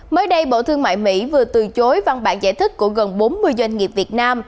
mới đây bộ thương mại mỹ vừa từ chối văn bản giải thích của gần bốn mươi doanh nghiệp việt nam